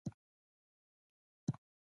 د شپې ورو ورو خاموشي راځي.